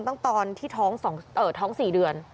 ตอนที่ท้อง๔เดือน